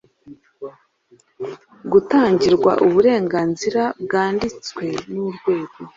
Gutangirwa uburenganzira bwanditswe n urwego